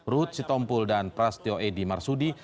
ruhut sitompul dan prasetyo edy marsudi